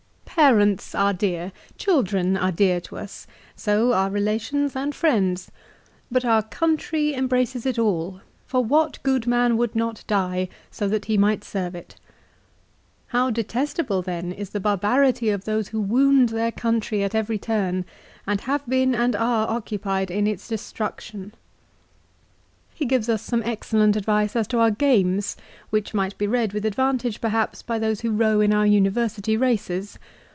" Parents are dear, children are dear to us ; so are relations and friends ; but our country embraces it all, for what good man would not die so that he might serve it ? How detestable then, is the barbarity of those who wound their country at every turn, and have been and are occupied in its destruction." 1 He gives us some excellent advice as to our games, which might be read with advantage, perhaps, by those who row in our university races.